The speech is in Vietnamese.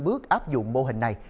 bước áp dụng mô hình này